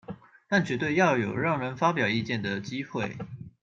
但絕對要有讓人發表意見的機會